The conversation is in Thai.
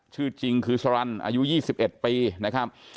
ชื่อจริงคือชรันอายุยี่สิบเอ็ดปีนะครับ